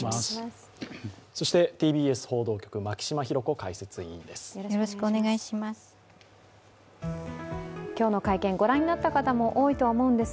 そしてＴＢＳ報道局、牧嶋博子解説委員です。